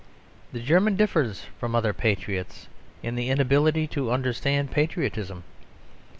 The German differs from other patriots in the inability to understand patriotism.